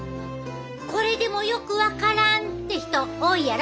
これでもよく分からんって人多いやろ。